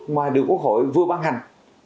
ngoài được quốc hội vừa ban hành